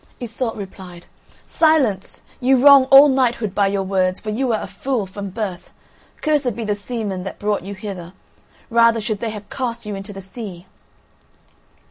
Iseult replied: "Silence! You wrong all knighthood by your words, for you are a fool from birth. Cursed be the seamen that brought you hither; rather should they have cast you into the sea!"